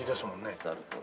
おっしゃるとおり。